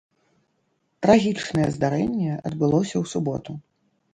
Трагічнае здарэнне адбылося ў суботу.